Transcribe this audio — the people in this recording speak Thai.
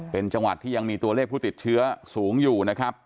เป็นจังหวัดที่ยังมีตัวเลขผู้ติดเชื้อสูงอยู่นะครับ